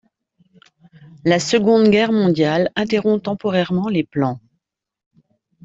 La Seconde Guerre mondiale interrompt temporairement les plans.